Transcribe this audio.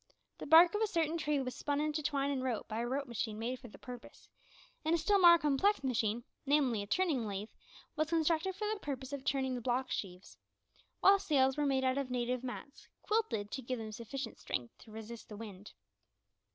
The bark of a certain tree was spun into twine and rope by a rope machine made for the purpose, and a still more complex machine, namely, a turning lathe, was constructed for the purpose of turning the block sheaves; while sails were made out of native mats, quilted to give them sufficient strength to resist the wind.